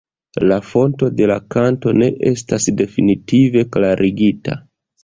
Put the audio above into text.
La fonto de la kanto ne estas definitive klarigita.